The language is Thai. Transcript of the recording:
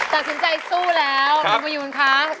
ตัดสินใจสู้แล้วลุงประยุณค่ะ